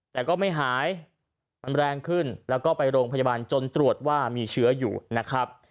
แต่ก็ไม่หายมันแรงขึ้นแล้วก็ไปโรงพยาบาลจนตรวจว่ามีเชื้ออยู่นะครับ